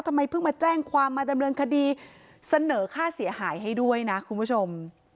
ทำไมเพิ่งมาแจ้งความมาดำเนินคดีเสนอค่าเสียหายให้ด้วยนะคุณผู้ชม